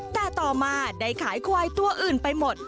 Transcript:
แต่ต่อมาได้ขายควายตัวอื่นไปหมด